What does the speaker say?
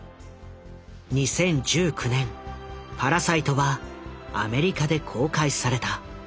２０１９年「パラサイト」はアメリカで公開された。